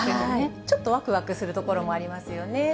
ちょっとわくわくするところもありますよね。